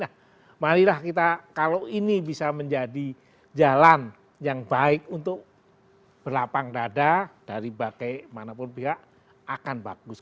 nah marilah kita kalau ini bisa menjadi jalan yang baik untuk berlapang dada dari bakai manapun pihak akan bagus